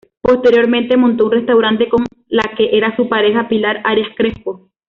Posteriormente montó un restaurante con la que era su pareja Pilar Arias Crespo.